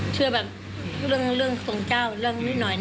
เชื่อแบบเรื่องของเจ้าเรื่องนิดหน่อย